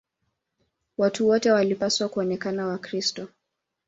Watu wote walipaswa kuonekana Wakristo.